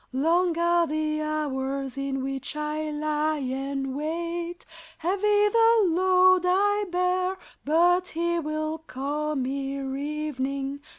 Long are the hours in which I lie and wait, Heavy the load I bear; But He will come ere evening.